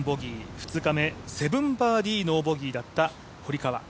２日目７バーディーノーボギーだった堀川。